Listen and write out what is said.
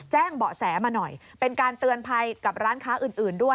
เบาะแสมาหน่อยเป็นการเตือนภัยกับร้านค้าอื่นด้วย